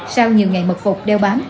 sau nhiều ngày mật phục đeo bán